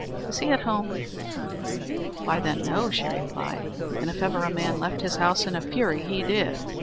Is he at home?" "Why, then, no," she replied; "and if ever a man left his house in a fury he did.